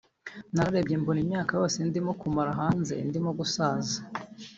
nararebye mbona imyaka yose ndimo kumara hanze ndimo gusaza